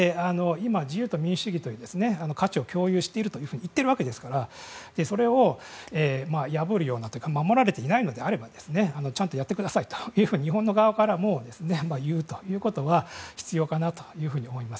今、自由と民主主義という価値を共有していると言ってるわけですからそれを破るようなというか守られていないのであればちゃんとやってくださいと日本側からも言うということは必要かなというふうに思います。